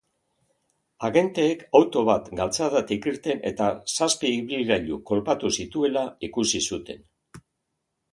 Agenteek auto bat galtzadatik irten eta zazpi ibilgailu kolpatu zituela ikusi zuten.